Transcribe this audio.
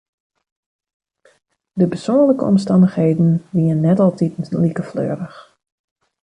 De persoanlike omstannichheden wiene net altiten like fleurich.